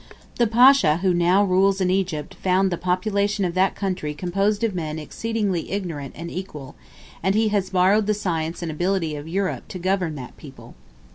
The pacha who now rules in Egypt found the population of that country composed of men exceedingly ignorant and equal, and he has borrowed the science and ability of Europe to govern that people.